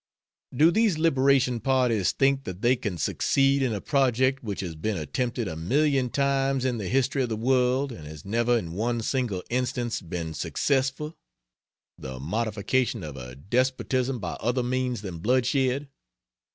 Do these liberation parties think that they can succeed in a project which has been attempted a million times in the history of the world and has never in one single instance been successful the "modification" of a despotism by other means than bloodshed?